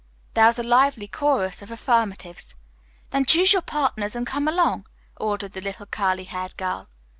There was a lively chorus of affirmatives. "Then choose your partners and come along," ordered the little curly haired girl.